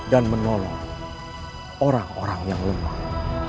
dan menolong orang orang yang lemah